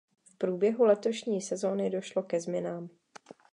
V průběhu letošní sezony došlo ke změnám.